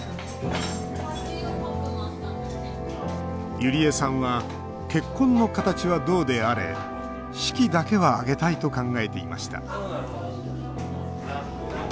ゆりえさんは結婚の形はどうであれ式だけは挙げたいと考えていました。